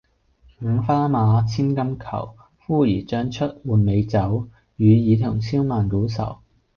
五花馬，千金裘，呼兒將出換美酒，與爾同銷萬古愁